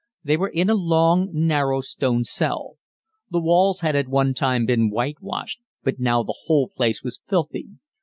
They were in a long, narrow stone cell. The walls had at one time been whitewashed, but now the whole place was filthy.